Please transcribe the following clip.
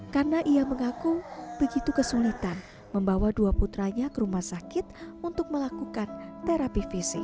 karena ia mengaku begitu kesulitan membawa dua putranya ke rumah sakit untuk melakukan terapi fisik